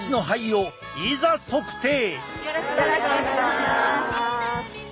よろしくお願いします！